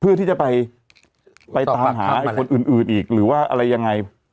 เพื่อที่จะไปตามหาคนอื่นอีกหรือว่าอะไรยังไง